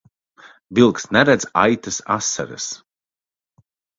Vilks neredz aitas asaras.